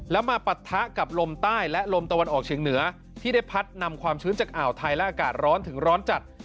แล้วมาปะทะกับลมใต้และลมตะวันออกเฉียงเหนือที่ได้พัดนำความชื้นจากอ่าวไทยและอากาศร้อนถึงร้อนจัด